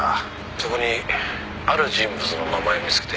「そこにある人物の名前を見つけて調べてみた」